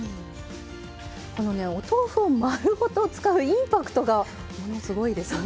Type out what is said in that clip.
このねお豆腐を丸ごと使うインパクトがすごいですね！